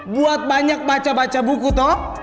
buat banyak baca baca buku toh